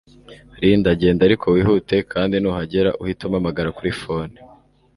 Linda genda ariko wihute kandi nuhagera uhite umpamagara kuri phone